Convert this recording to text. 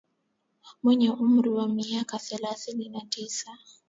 mwenye umri wa miaka thelathini na tisa